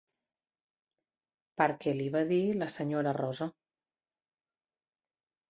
Perquè li va dir la senyora Rosa.